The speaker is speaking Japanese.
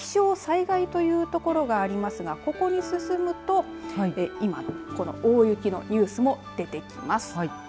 そして気象災害というところがありますがここに進むと今の大雪のニュースも出てきます。